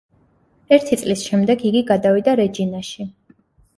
ერთი წლის შემდეგ იგი გადავიდა „რეჯინაში“.